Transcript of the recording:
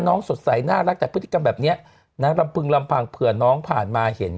สดใสน่ารักแต่พฤติกรรมแบบนี้นางลำพึงลำพังเผื่อน้องผ่านมาเห็น